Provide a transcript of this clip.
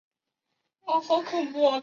囊明蚕为眼蚕科明蚕属的动物。